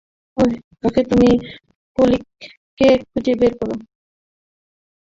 ওকে, তুমি পলিনকে খুঁজে বের করো।